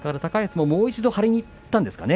もう１回張りにいったんですかね。